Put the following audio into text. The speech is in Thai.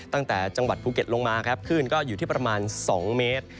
ตั้งแต่จังหวัดภูเก็ตลงมาครับคลื่นก็อยู่ที่ประมาณ๒เมตร